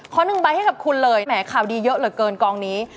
หนึ่งใบให้กับคุณเลยแหมข่าวดีเยอะเหลือเกินกองนี้